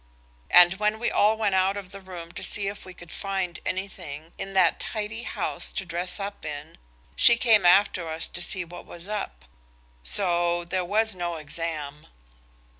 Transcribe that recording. And when we all went out of the room to see if we could find anything in that tidy house to dress up in, she came after us to see what was up. So there was no exam.